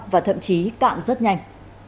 và thậm chí cạn rất nhanh